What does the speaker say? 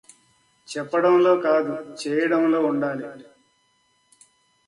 చెప్పడంలో కాదు చేయడంలో ఉండాలి.